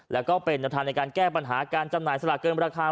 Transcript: แล้วก็เป็นแนวทางในการแก้ปัญหาการจำหน่ายสลากเกินราคา